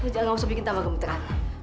jangan usah bikin tambah gemetaran